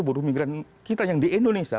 buruh migran kita yang di indonesia